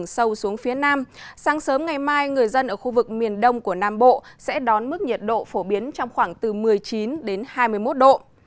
sáng sớm ngày mai người dân ở khu vực miền đông của nam bộ sẽ đón mức nhiệt độ phổ biến trong khoảng từ một mươi chín đến hai mươi một độ